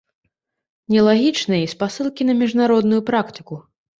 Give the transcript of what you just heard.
Нелагічныя і спасылкі на міжнародную практыку.